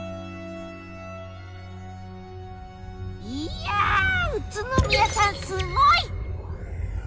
いや宇都宮さんすごい！